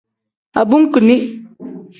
Abunkuni.